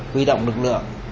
huy động lực lượng